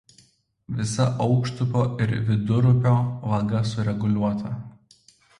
Visa aukštupio ir vidurupio vaga sureguliuota.